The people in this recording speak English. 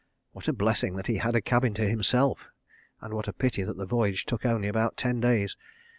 What a blessing that he had a cabin to himself, and what a pity that the voyage took only about ten days.